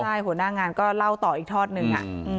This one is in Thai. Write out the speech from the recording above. ใช่หัวหน้างานก็เล่าต่ออีกทอดหนึ่ง